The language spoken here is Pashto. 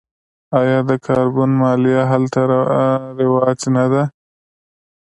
آیا د کاربن مالیه هلته رواج نه ده؟